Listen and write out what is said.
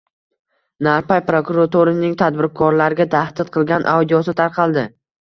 Narpay prokurorining tadbirkorlarga tahdid qilgan audiosi tarqaldi